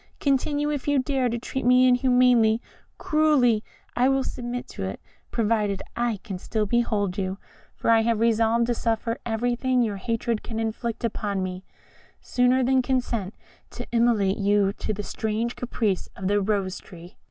Continue, if you dare, to treat me inhumanly, cruelly I will submit to it, provided I can still behold you; for I have resolved to suffer everything your hatred can inflict upon me, sooner than consent to immolate you to the strange caprice of the Rose tree."